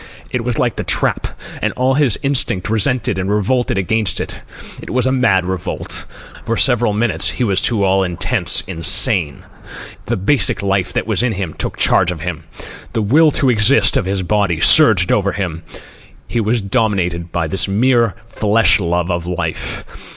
It was like the trap, and all his instinct resented it and revolted against it. It was a mad revolt. For several minutes he was to all intents insane. The basic life that was in him took charge of him. The will to exist of his body surged over him. He was dominated by this mere flesh love of life.